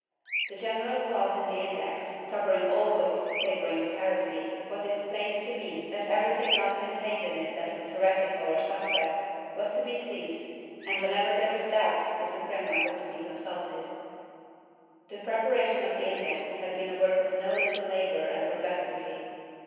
IV] GENERAL INSPECTION 487 general clause in the Index, covering all books savoring of heresy, was explained to mean that everything not contained in it that was heretical or suspect was to be seized, and whenever there was doubt the Suprema was to be consulted/ The preparation of the Index had been a work of no little labor and perplexity.